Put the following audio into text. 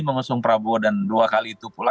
mengusung prabowo dan dua kali itu pula